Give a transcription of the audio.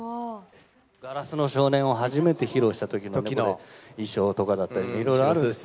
硝子の少年を初めて披露したときの衣装とかだったり、いろいろある。